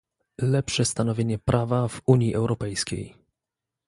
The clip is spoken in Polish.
Lepsze stanowienie prawa w Unii Europejskiej